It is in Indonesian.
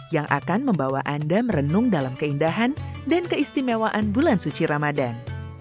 yang akan membawa anda merenung dalam keindahan dan keistimewaan bulan suci ramadan